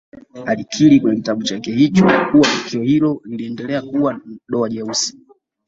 Alikiri kwenye kitabu chake hicho kuwa tukio hilo litaendelea kuwa doa jeusi